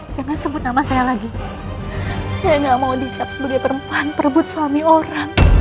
jangan sebut nama saya lagi saya nggak mau dicap sebagai perempuan perebut suami orang